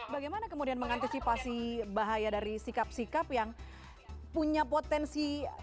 bagaimana kemudian mengantisipasi bahaya dari sikap sikap yang punya potensi